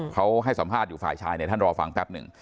เขาให้สัมภาษณ์อยู่ฝ่ายชายเนี่ยท่านรอฟังแป๊บหนึ่ง